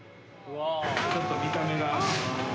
ちょっと見た目が。